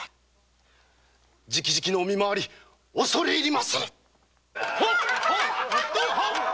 じきじきのお見回り恐れ入り。